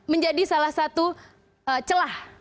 menjadi salah satu celah